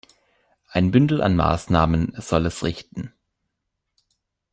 Ein Bündel an Maßnahmen soll es richten.